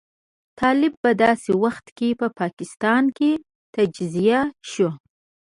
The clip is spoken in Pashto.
طالب په داسې وخت کې په پاکستان کې تجهیز شو.